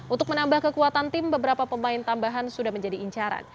untuk menambah kekuatan tim beberapa pemain tambahan sudah menjadi incaran